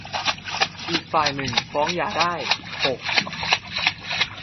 อีกฝ่ายหนึ่งฟ้องหย่าได้ หก